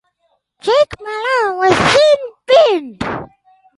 Jake Malone was sin binned.